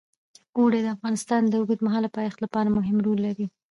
اوړي د افغانستان د اوږدمهاله پایښت لپاره مهم رول لري.